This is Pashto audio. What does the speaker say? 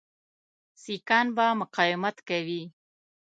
سیکهان به مقاومت کوي.